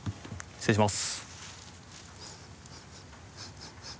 失礼します。